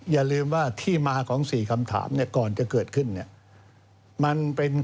อย่าลืมว่าที่มาของสี่คำถามก่อนจะเกิดขึ้น